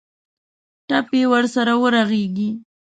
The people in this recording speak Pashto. ټپ یې ورسره ورغېږي.